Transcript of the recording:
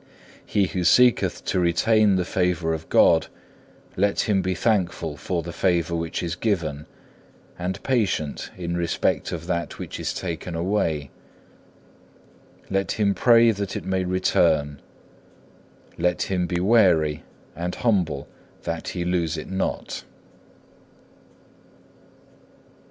He who seeketh to retain the favour of God, let him be thankful for the favour which is given, and patient in respect of that which is taken away. Let him pray that it may return; let him be wary and humble that he lose it not.